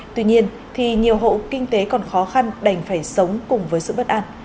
tuy nhiên thì nhiều hộ kinh tế còn khó khăn đành phải sống cùng với sự bất an